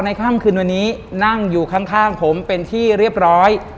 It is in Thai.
ค่ำคืนวันนี้นั่งอยู่ข้างผมเป็นที่เรียบร้อย